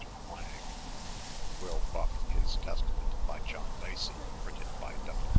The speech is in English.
Laing ;)' Wyl Buche, His Testament, by John Lacy, printed by W.